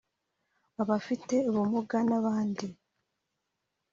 abafite ubumuga n’abandi